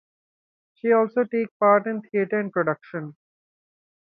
She also takes part in theater and productions.